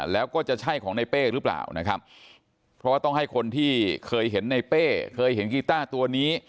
แล้วก็จะใช่ของในเป้หรือเปล่านะครับเพราะว่าต้องให้คนที่เคยเห็นในเป้เคยเห็นกีต้าตัวนี้